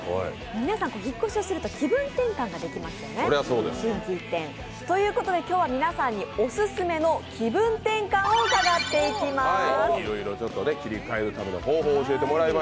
皆さん、引っ越しをすると気分転換ができますよね、心機一転。ということで今日は皆さんにオススメの気分転換を伺っていきます。